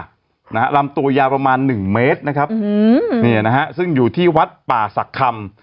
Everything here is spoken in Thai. นะฮะลำตัวยาวประมาณหนึ่งเมตรนะครับอืมเนี่ยนะฮะซึ่งอยู่ที่วัดป่าศักดิ์คำ